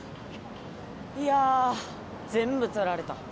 いや全部撮られた